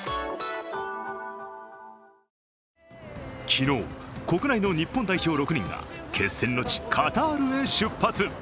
昨日、国内の日本代表６人が決戦の地・カタールへ出発。